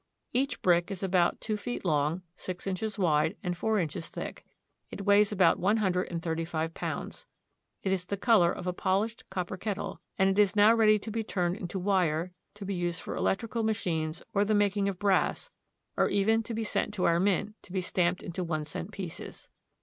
Each brick is about two feet long, six inches wide, and four inches thick. It weighs about one hundred and thirty five pounds. It is the color of a poHshed copper kettle, and it is now ready to be turned into wire, to be used for electrical machines or the making of brass, or even to be sent to our mint to be stamped into one cent pieces.